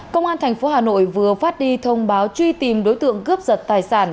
công an thành phố hà nội vừa phát đi thông báo truy tìm đối tượng cướp giật tài sản